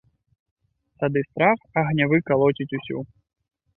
Тады страх агнявы калоціць усю.